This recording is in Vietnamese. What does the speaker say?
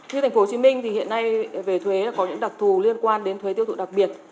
như thành phố hồ chí minh thì hiện nay về thuế là có những đặc thù liên quan đến thuế tiêu thụ đặc biệt